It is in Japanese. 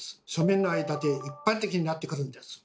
庶民の間で一般的になってくるんです。